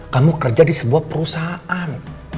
kamu kerja di sebuah perusahaan